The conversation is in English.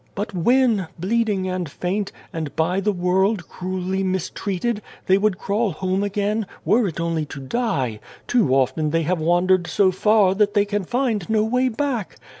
" But when, bleeding and faint, and by the world cruelly mistreated, they would crawl home again were it only to die too often they have wandered so far that they can find no way back.